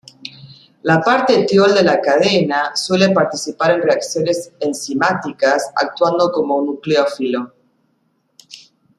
La parte tiol de la cadena suele participar en reacciones enzimáticas, actuando como nucleófilo.